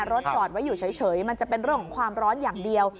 รถจอดไว้อยู่เฉยมันจะเป็นเรื่องของความร้อนอย่างเดียว